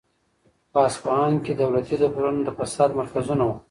په اصفهان کې دولتي دفترونه د فساد مرکزونه وو.